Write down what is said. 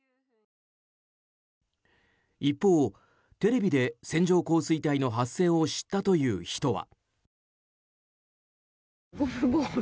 一方、テレビで線状降水帯の発生を知ったという人は。